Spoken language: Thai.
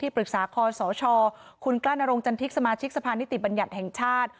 ปรึกษาคอสชคุณกล้านรงจันทิกสมาชิกสภานิติบัญญัติแห่งชาติ